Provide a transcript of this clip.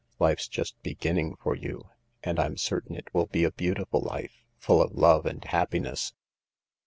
Life's just beginning for you, and I'm certain it will be a beautiful life, full of love and happiness."